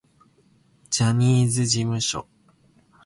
ジャニーズ事務所